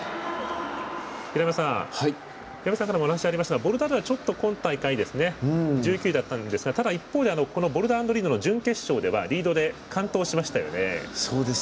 平山さんからもお話がありましたがボルダーでは今大会、１９位だったんですが一方でボルダー＆リードの準決勝ではリードで完登しましたよね。